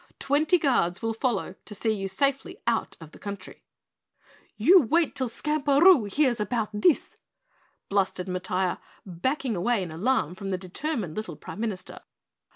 Twenty guards will follow to see you safely out of the country." "You wait till Skamperoo hears about this!" blustered Matiah, backing away in alarm from the determined little Prime Minister.